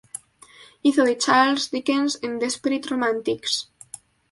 Hizo de Charles Dickens en "Desperate Romantics".